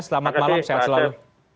selamat malam sehat selalu